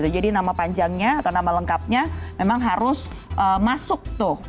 jadi nama panjangnya atau nama lengkapnya memang harus masuk tuh